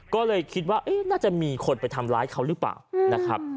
ก็เลยคิดว่าน่าจะมีคนไปทำร้ายเขาหรือเปล่านะครับ